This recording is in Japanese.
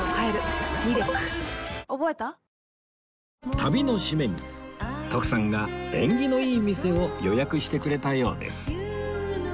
旅の締めに徳さんが縁起のいい店を予約してくれたようです